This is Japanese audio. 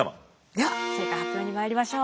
では正解発表にまいりましょう。